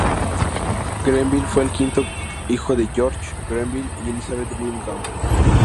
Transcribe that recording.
Grenville fue el quinto hijo de George Grenville y Elizabeth Wyndham.